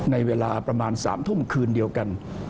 ในเวลาประมาณ๓ทุ่มคืนเดียวกัน